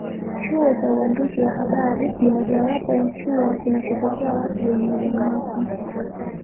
Chuo cha uandishi wa habari ni mojawapo ya chuo kinachopokea watu wenye ulemavu